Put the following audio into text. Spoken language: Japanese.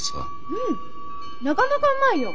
うんなかなかうまいよ。